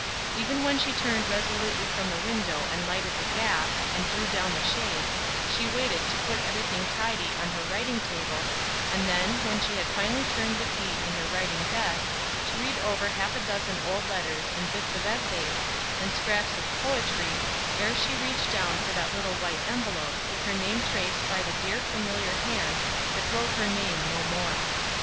Even when she turned resolutely from the window, and lighted the gas, and drew down the shade, she waited to put every thing tidy on her writing table, and then, when she had finally turned the key in her writing desk, to read over half a dozen old letters and bits of essays, and scraps of poetry, ere she reached down for that little white envelope, with her name traced by the dear familiar hand that wrote her name no more.